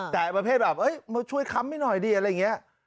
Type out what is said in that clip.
แต่ประเภทแบบมาช่วยค้ำให้หน่อยดีอะไรอย่างนี้